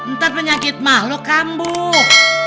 ntar penyakit makhluk kambuh